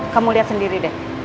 kamu lihat sendiri deh